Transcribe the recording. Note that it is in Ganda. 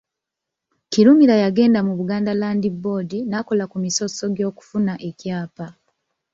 Kirumira yagenda mu Buganda Land Board n'akola ku misoso gy'okufuna ekyapa.